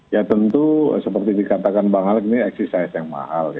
ya tentu seperti dikatakan bang alex ini eksis yang mahal